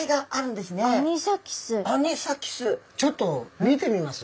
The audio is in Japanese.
ちょっと見てみます？